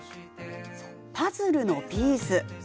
パズルのピース。